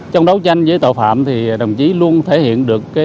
trong đấu tranh với tội phạm thì đồng chí luôn thể hiện được